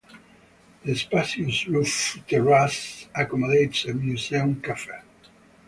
The spacious roof terrace accommodates a museum cafe.